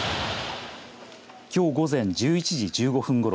きょう午前１１時１５分ごろ。